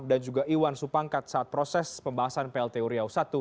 dan juga iwan supangkat saat proses pembahasan plt uria u satu